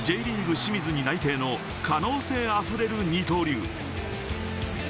清水に内定の可能性あふれる二刀流。